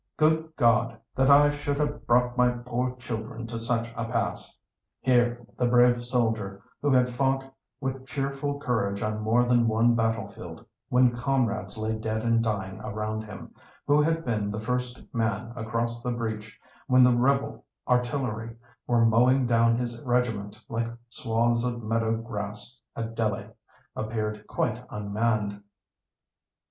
Good God! that I should have brought my poor children to such a pass!" Here the brave soldier, who had fought with cheerful courage on more than one battle field, when comrades lay dead and dying around him—who had been the first man across the breach when the rebel artillery were mowing down his regiment like swathes of meadow grass at Delhi, appeared quite unmanned.